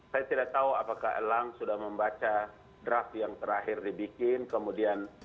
saya tidak tahu apakah elang sudah membaca draft yang terakhir dibikin kemudian